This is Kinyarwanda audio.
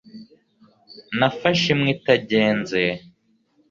Nafashe imwe itagenze